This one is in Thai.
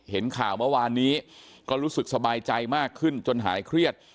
เห็นข่าวเมื่อวานนี้ก็รู้สึกสบายใจมากขึ้นจนหายเครียด